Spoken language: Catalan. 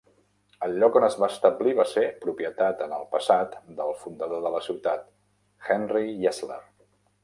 El lloc on es va establir va ser propietat en el passat del fundador de la ciutat, Henry Yesler.